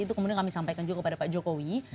itu kemudian kami sampaikan juga kepada pak jokowi